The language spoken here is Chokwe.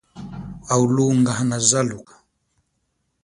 Awu lunga hana zaluka.